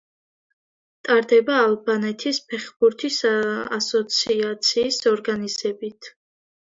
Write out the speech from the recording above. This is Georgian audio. ტარდება ალბანეთის ფეხბურთის ასოციაციის ორგანიზებით.